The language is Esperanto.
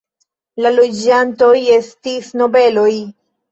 La loĝantoj estis nobeloj.